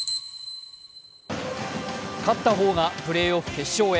勝った方がプレーオフ決勝へ。